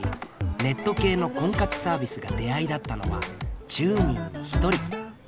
ネット系の婚活サービスが出会いだったのは１０人に１人。